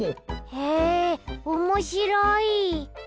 へえおもしろい。